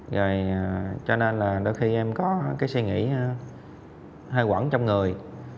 rồi cho nên là đôi khi em có cái suy nghĩ hay quẩn trong người